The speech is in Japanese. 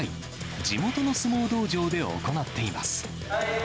地元の相撲道場で行っています。